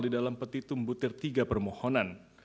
di dalam petitum butir tiga permohonan